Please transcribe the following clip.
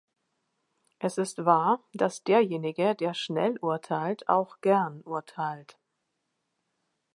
Es ist wahr, dass derjenige, der schnell urteilt, auch gern urteilt.